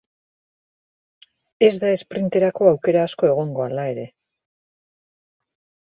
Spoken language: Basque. Ez da esprinterako aukera asko egongo, hala ere.